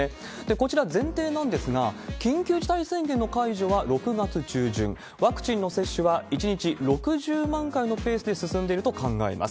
こちら、前提なんですが、緊急事態宣言の解除は６月中旬、ワクチンの接種は１日６０万回のペースで進んでいると考えます。